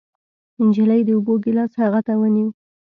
نجلۍ د اوبو ګېلاس هغه ته ونيو.